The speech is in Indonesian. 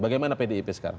bagaimana pdip sekarang